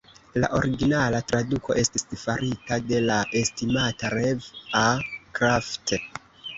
La originala traduko estis farita de la estimata Rev. A. Krafft.